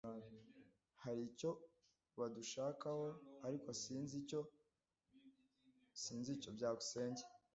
Hari icyo badushakaho, ariko sinzi icyo. byukusenge